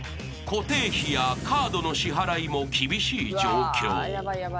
［固定費やカードの支払いも厳しい状況］